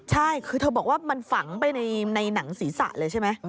ใช่คือเธอบอกว่ามันฝังไปในหนังศีรษะเลยใช่ไหม